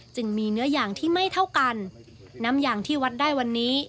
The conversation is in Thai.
เนื้ออย่างที่ไม่เท่ากันน้ำยางที่วัดได้วันนี้